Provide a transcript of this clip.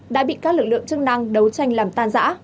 đã bị các lực lượng chức năng đấu tranh làm tan giã